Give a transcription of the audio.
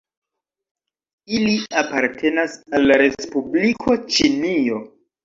Ili apartenas al la Respubliko Ĉinio.